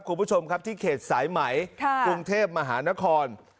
คุณผู้ชมครับที่เขตสายไหมกรุงเทพมหานคร